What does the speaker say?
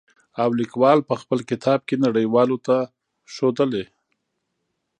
او ليکوال په خپل کتاب کې نړۍ والو ته ښودلي.